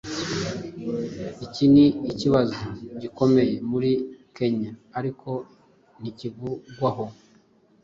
iki ni ikibazo gikomeye muri kenya ariko ntikivugwaho